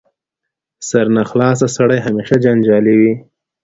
سرناخلاصه سړی همېشه جنجالي وي.